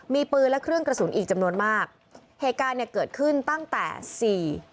มีปืนและเครื่องกระสุนอีกจำนวนมากเหตุการณ์เนี่ยเกิดขึ้นตั้งแต่สี่